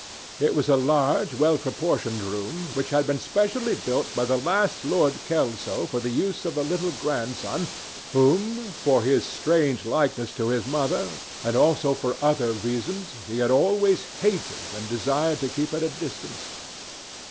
It was a large, well proportioned room, which had been specially built by the last Lord Kelso for the use of the little grandson whom, for his strange likeness to his mother, and also for other reasons, he had always hated and desired to keep at a distance.